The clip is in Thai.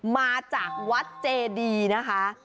มาจากวัดเจดีนะคะ